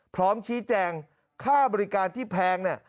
พร้อมชี้แจงค่าบริการที่แพงเนี่ย